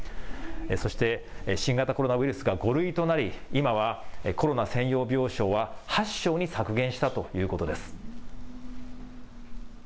そして新型コロナウイルスが５類となり、今はコロナ専用病床は８床に削減したということです。